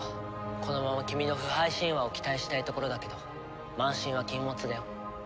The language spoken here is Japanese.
このまま君の不敗神話を期待したいところだけど慢心は禁物だよ。